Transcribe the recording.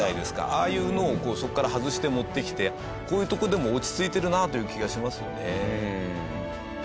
ああいうのをそこから外して持ってきてこういうとこでも落ち着いてるなという気がしますよね。